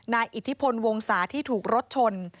อิทธิพลวงศาที่ถูกรถชน